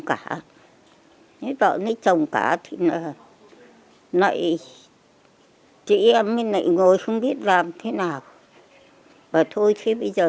cả lấy vợ lấy chồng cả thì là lại chị em mới lại ngồi không biết làm thế nào và thôi thế bây giờ